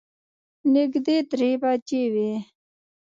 نږدې درې بجې وې.